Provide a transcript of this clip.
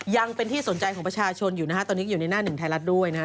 ยังเป็นที่สนใจของประชาชนอยู่นะฮะตอนนี้อยู่ในหน้าหนึ่งไทยรัฐด้วยนะฮะ